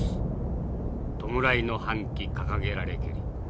弔いの半旗掲げられけり。